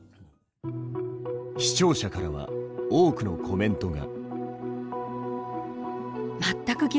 視聴者からは多くのコメントが。